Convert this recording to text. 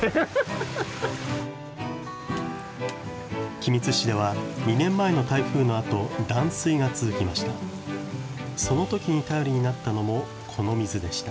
君津市では、２年前の台風のあと、断水が続きました。